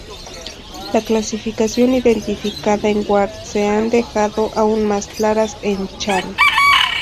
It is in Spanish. La clasificación identificada en "Ward" se han dejado aún más claras en "Chan".